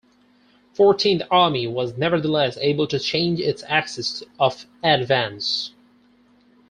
Fourteenth Army was nevertheless able to change its axis of advance.